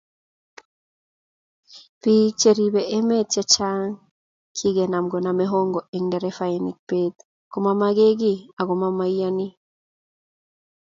biik cheribe emet chechang kigenam koname hongo eng nderefainik beet komamagengei agoma maiyani